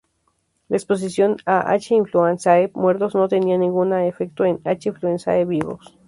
La exposición a "H. influenzae" muertos no tenía ningún efecto en "H. influenzae" vivos.